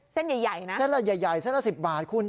เส้นใหญ่นะเส้นละใหญ่เส้นละ๑๐บาทคุณ